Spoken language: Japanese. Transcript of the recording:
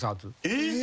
えっ！？